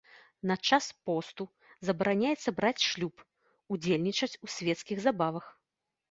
На час посту забараняецца браць шлюб, удзельнічаць у свецкіх забавах.